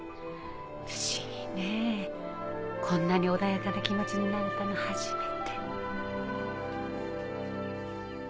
不思議ねぇこんなに穏やかな気持ちになれたの初めて。